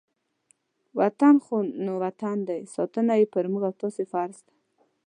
وطن خو نو وطن دی، ساتنه یې په موږ او تاسې فرض ده.